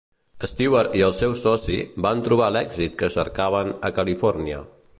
Stewart i el seu soci van trobar l'èxit que cercaven a Califòrnia.